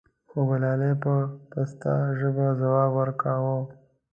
خوګلالۍ به په پسته ژبه ځواب وركا و :